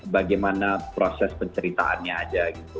bagaimana proses penceritaannya aja gitu